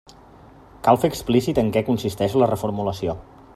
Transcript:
Cal fer explícit en què consisteix la reformulació.